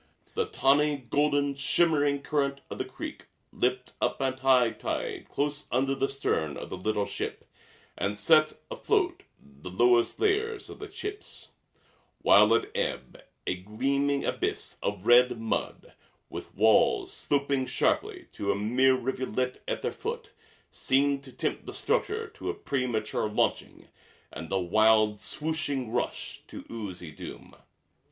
The tawny golden shimmering current of the creek lipped up at high tide close under the stern of the little ship and set afloat the lowest layers of the chips; while at ebb a gleaming abyss of red mud with walls sloping sharply to a mere rivulet at their foot seemed to tempt the structure to a premature launching and a wild swooping rush to oozy doom.